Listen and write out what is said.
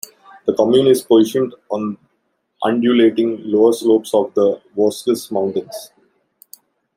The commune is positioned on undulating lower slopes of the Vosges Mountains.